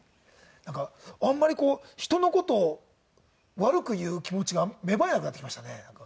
なんかあんまりこう人の事を悪く言う気持ちが芽生えなくなってきましたね。